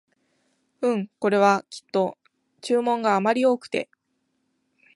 うん、これはきっと注文があまり多くて